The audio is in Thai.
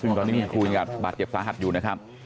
ซึ่งตอนนี้มีคุยกับบาดเจ็บสาหัสอยู่นะครับ